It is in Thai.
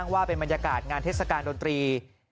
ว่าเป็นบรรยากาศงานเทศกาลดนตรี